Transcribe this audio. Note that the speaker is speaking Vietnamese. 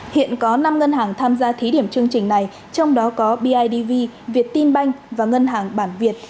hiện có năm ngân hàng tham gia thí điểm chương trình này trong đó có bidv việt tin banh và ngân hàng bản việt